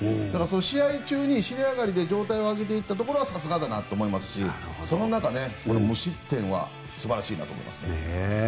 試合中に状態を上げていったところはさすがだなと思いますしその中で無失点は素晴らしいなと思います。